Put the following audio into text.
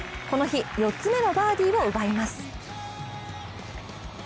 この日、４つ目のバーディーを奪います。